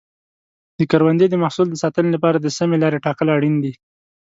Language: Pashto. د کروندې د محصول د ساتنې لپاره د سمې لارې ټاکل اړین دي.